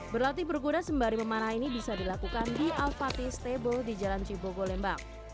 berlatih berkuda sembari memanah ini bisa dilakukan di alfati stable di jalan cibogo lembang